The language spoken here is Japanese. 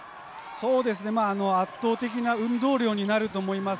そうですね、圧倒的な運動量になると思います。